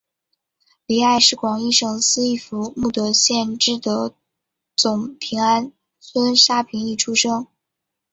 黎艾是广义省思义府慕德县知德总平安村沙平邑出生。